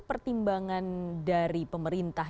pertimbangan dari pemerintah